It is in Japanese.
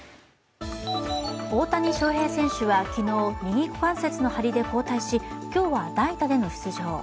大谷翔平選手は昨日右股関節の張りで交代し今日は代打での出場。